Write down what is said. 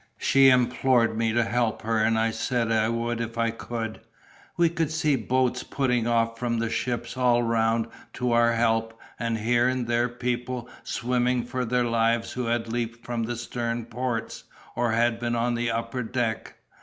She implored me to help her, and I said I would if I could. We could see boats putting off from the ships all round to our help, and here and there people swimming for their lives who had leaped from the stern ports, or had been on the upper deck.